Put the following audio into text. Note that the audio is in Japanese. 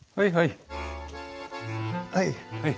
はいはい！